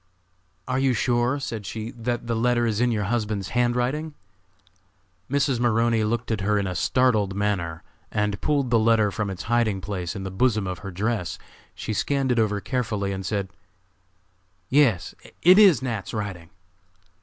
"Are you sure," said she, "that the letter is in your husband's handwriting?" Mrs. Maroney looked at her in a startled manner and pulled the letter from its hiding place in the bosom of her dress. She scanned it over carefully and said: "Yes, it is Nat.'s writing."